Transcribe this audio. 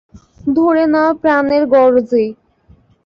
ধরে নাও-না প্রাণের গরজেই।